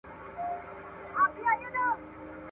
• د کوڅې غول گرده عمر پر ليوني تاوان وي.